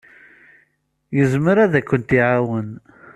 Yezmer ad kent-iɛawen.